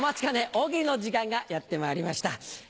大喜利の時間がやってまいりました。